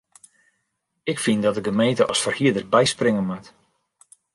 Ik fyn dat de gemeente as ferhierder byspringe moat.